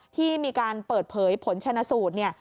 ที่มีการเปิดเผยผลชนะสูตรเนี่ย